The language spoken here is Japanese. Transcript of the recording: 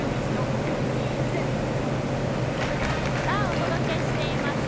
お届けしています